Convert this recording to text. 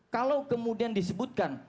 kalau kemudian disebutkan